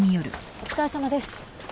お疲れさまです。